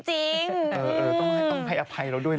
จริงต้องให้อภัยเราด้วยนะ